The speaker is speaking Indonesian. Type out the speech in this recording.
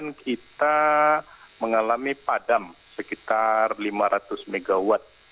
kan kita mengalami padam sekitar lima ratus mw